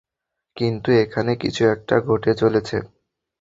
কিন্তু, এখানে কিছু একটা ঘটে চলেছে!